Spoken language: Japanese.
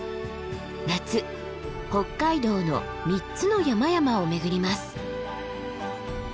夏北海道の３つの山々を巡ります。